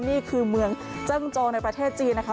นี่คือเมืองเจิ้งโจในประเทศจีนนะคะ